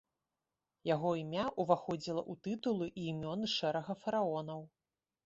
Яго імя ўваходзіла ў тытулы і імёны шэрага фараонаў.